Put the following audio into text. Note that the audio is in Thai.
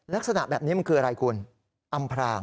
ลักษณะแบบนี้มันคืออะไรคุณอำพราง